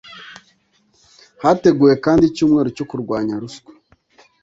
Hateguwe kandi icyumweru cyo kurwanya ruswa